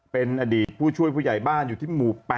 เป็นอดีตผู้ช่วยผู้ใหญ่บ้านอยู่ที่หมู่๘